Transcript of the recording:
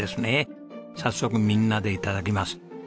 早速みんなで頂きます。